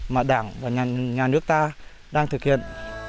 mà đảng và nhà nước ta đang thực hiện